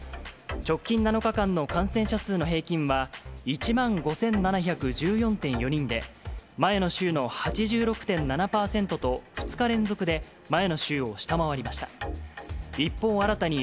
直近７日間の感染者数の平均は、１万５７１４．４人で、前の週の８６．７％と２日連続で前の週を下回りました。